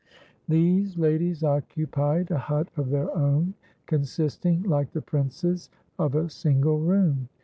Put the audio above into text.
These ladies occupied a hut of their own, consisting, like the prince's, of a single room.